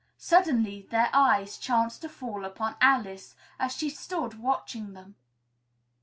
Suddenly their eyes chanced to fall upon Alice, as she stood watching them.